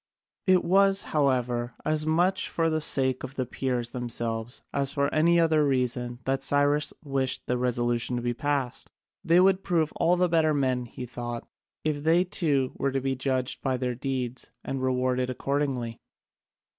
It was, however, as much for the sake of the Peers themselves as for any other reason that Cyrus wished the resolution to be passed. They would prove all the better men, he thought, if they too were to be judged by their deeds and rewarded accordingly.